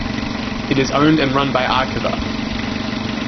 It is owned and run by Arqiva.